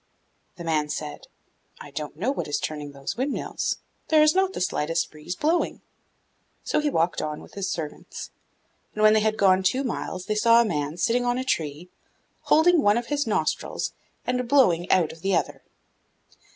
The man said, 'I don't know what is turning those windmills; there is not the slightest breeze blowing.' So he walked on with his servants, and when they had gone two miles they saw a man sitting on a tree, holding one of his nostrils and blowing out of the other.